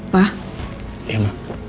pak iya ma